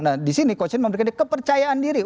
nah disini coachin memberikan dia kepercayaan diri